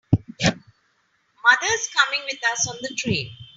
Mother is coming with us on the train.